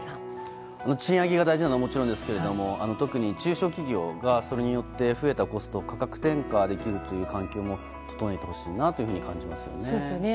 賃上げが大事なのはもちろんですけれども特に中小企業がそれによって増えたコストを価格転嫁できるという環境も整えてほしいなと感じますね。